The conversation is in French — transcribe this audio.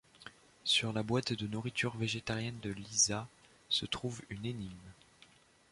Sur la boîte de nourriture végétarienne de Lisa se trouve une énigme.